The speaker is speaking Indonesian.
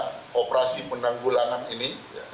semua operasi penanggulangan ini